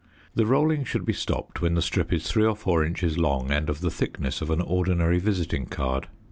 The rolling should be stopped when the strip is 3 or 4 inches long and of the thickness of an ordinary visiting card.